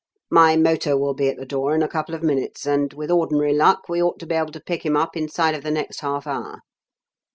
"My motor will be at the door in a couple of minutes, and with ordinary luck we ought to be able to pick him up inside of the next half hour."